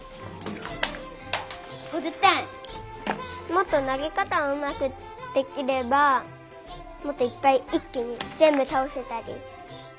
もっとなげかたをうまくできればもっといっぱいいっきにぜんぶたおせたり。